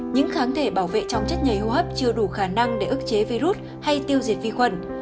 những kháng thể bảo vệ trong chất nhảy hô hấp chưa đủ khả năng để ức chế virus hay tiêu diệt vi khuẩn